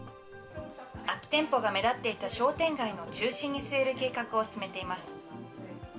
空き店舗が目立っていた商店街の中心に据える計画を進めています。